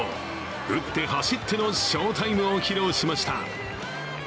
打って走っての翔タイムを披露しました。